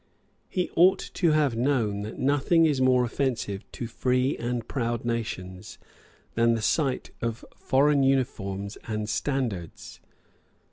He ought to have known that nothing is more offensive to free and proud nations than the sight of foreign uniforms and standards.